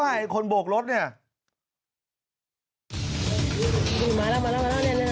ไม่รู้แล้ว